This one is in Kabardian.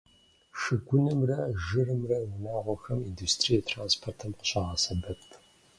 Шыгунымрэ жырымрэ унагъуэхэм, индустрием, транспортым къыщагъэсэбэп.